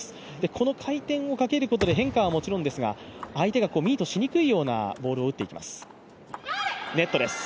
この回転をかけることで変化はもちろんですが、相手がミートしにくいようなボールを打ってきます。